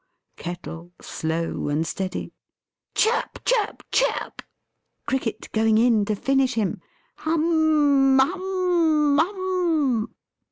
Kettle slow and steady. Chirp, chirp, chirp! Cricket going in to finish him. Hum, hum, hum m m!